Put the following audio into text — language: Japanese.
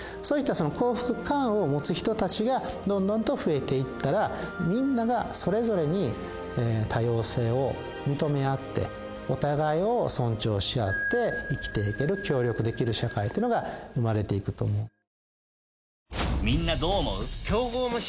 そういう人はその幸福「感」を持つ人たちがどんどんと増えていったらみんながそれぞれに多様性を認め合ってお互いを尊重し合って生きていける協力できる社会ってのが生まれていくと思う。